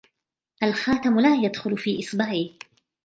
الخاتم لا يدخل في إصبعي.